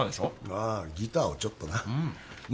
ああギターをちょっとなま